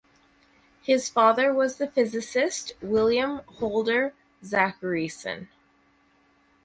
His father was the physicist William Houlder Zachariasen.